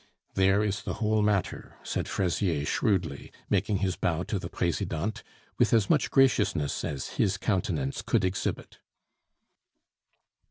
"There is the whole matter," said Fraisier shrewdly, making his bow to the Presidente with as much graciousness as his countenance could exhibit.